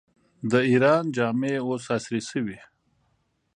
د ایران جامې اوس عصري شوي.